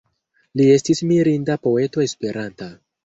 Li estis mirinda poeto Esperanta.